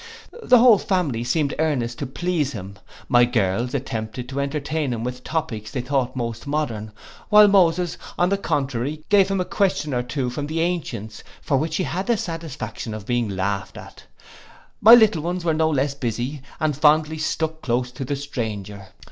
The whole family seemed earnest to please him: my girls attempted to entertain him with topics they thought most modern, while Moses, on the contrary, gave him a question or two from the ancients, for which he had the satisfaction of being laughed at: my little ones were no less busy, and fondly stuck close to the stranger.